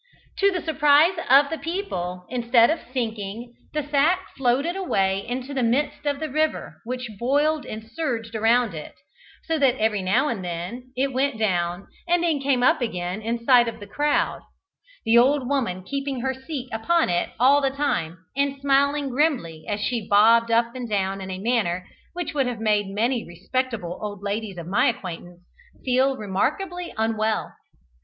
280] To the surprise of the people, instead of sinking, the sack floated away into the midst of the river, which boiled and surged around it, so that every now and then it went down, and then came up again in sight of the crowd the old woman keeping her seat upon it all the time, and smiling grimly as she bobbed up and down in a manner which would have made many respectable old ladies of my acquaintance feel remarkably unwell.